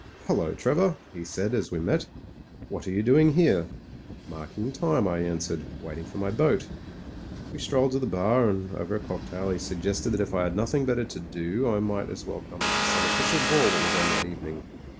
"Hullo! Trevor," he said, as we met. What are you doing here?" "Marking time," I answered. "Waiting for my boat." We strolled to the bar, and over a cocktail he suggested that if I had nothing better to do I might as well come to some official ball that was on that evening.